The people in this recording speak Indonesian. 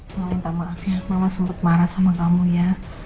kalau minta maaf ya mama sempat marah sama kamu ya